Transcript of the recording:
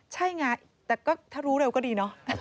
ใช่ไงแต่ก็ถ้ารู้เร็วก็ดีเนาะ